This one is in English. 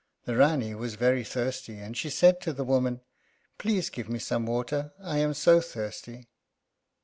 The Rání was very thirsty and she said to the woman, "Please give me some water, I am so thirsty."